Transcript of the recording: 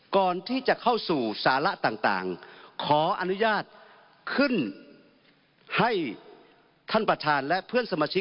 ก่อนที่จะเข้าสู่สาระต่างขออนุญาตขึ้นให้ท่านประธานและเพื่อนสมาชิก